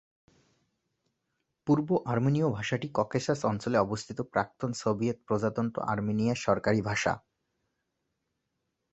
পূর্ব আর্মেনীয় ভাষাটি ককেসাস অঞ্চলে অবস্থিত প্রাক্তন সোভিয়েত প্রজাতন্ত্র আর্মেনিয়ার সরকারি ভাষা।